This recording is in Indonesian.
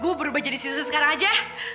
gue berubah jadi sis sis sekarang aja